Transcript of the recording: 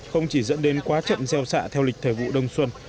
không chỉ dẫn đến quá trận gieo xạ theo lịch thời vụ đông xuân